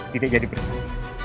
tidak jadi bersaksi